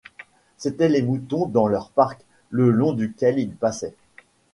C’étaient les moutons dans leur parc, le long duquel il passait.